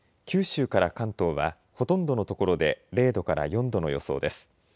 九州から関東はほとんどの所で０度から４度の予想です。